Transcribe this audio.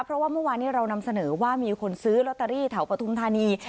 เพราะว่าเมื่อวานนี้เรานำเสนอว่ามีคนซื้อลอตเตอรี่แถวปฐุมธานี